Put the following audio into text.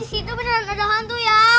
di situ beneran ada hantu ya